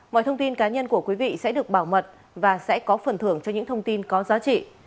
mọi thông tin cá nhân của quý vị sẽ được bảo mật và sẽ có phần thưởng cho những thông tin có giá trị